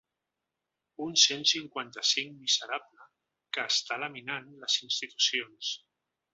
Un cent cinquanta-cinc ‘miserable que està laminant les institucions’.